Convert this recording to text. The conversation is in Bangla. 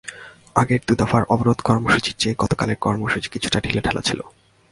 আগের দুই দফার অবরোধ কর্মসূচির চেয়ে গতকালের কর্মসূচি কিছুটা ঢিলেঢালা ছিল।